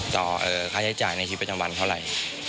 ค่าใช้จ่ายในชีวิตประจำวันเท่าไหร่